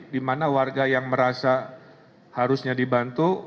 di mana warga yang merasa harusnya dibantu